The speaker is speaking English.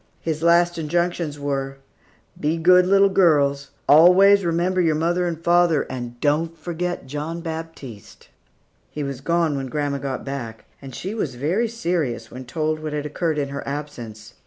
His last injunctions were, "Be good little girls; always remember your mother and father; and don't forget John Baptiste." He was gone when grandma got back; and she was very serious when told what had occurred in her absence.